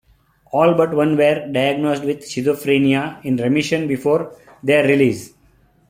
All but one were diagnosed with schizophrenia "in remission" before their release.